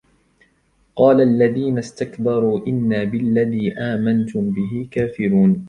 قَالَ الَّذِينَ اسْتَكْبَرُوا إِنَّا بِالَّذِي آمَنْتُمْ بِهِ كَافِرُونَ